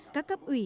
các cấp ủy